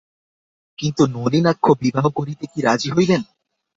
কিন্তু নলিনাক্ষ বিবাহ করিতে কি রাজি হইবেন?